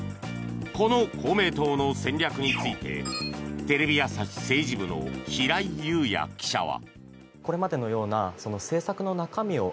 この公明党の戦略についてテレビ朝日政治部の平井雄也記者は。